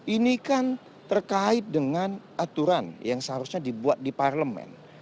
ini kan terkait dengan aturan yang seharusnya dibuat di parlemen